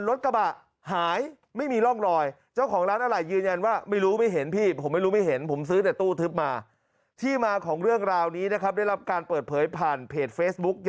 รถกระบะหายไม่มีร่องรอยเจ้าของร้านอะไรยืนยันว่าไม่รู้